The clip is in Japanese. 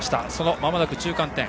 まもなく中間点。